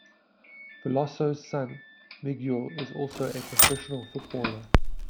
Veloso's son, Miguel, is also a professional footballer.